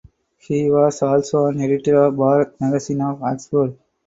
He was also an editor of "Bharat" magazine of Oxford.